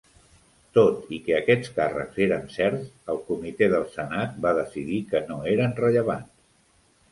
Tot i que aquests càrrecs eren certs, el comitè del senat va decidir que no eren rellevants.